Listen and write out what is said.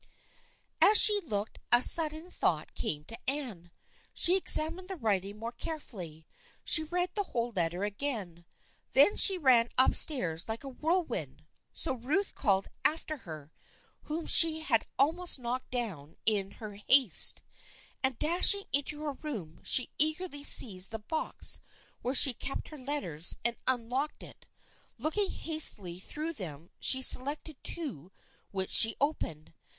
As she looked a sudden thought came to Anne. She examined the writing more carefully. She read the whole letter again. Then she ran up stairs like a whirlwind — so Ruth called after her, whom she had almost knocked down in her haste — and dashing into her room she eagerly seized the box where she kept her letters and unlocked it. Looking hastily through them she selected two, which she opened.